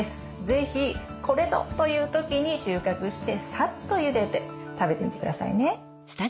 是非これぞという時に収穫してさっとゆでて食べてみてくださいね。